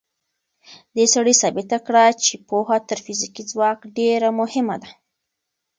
دې سړي ثابته کړه چې پوهه تر فزیکي ځواک ډېره مهمه ده.